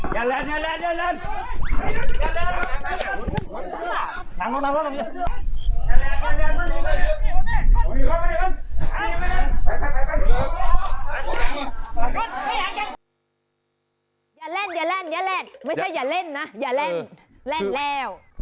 อย่าเล่นไม่ใช่อย่าเล่นนะอย่าเล่นเล่นแล้ว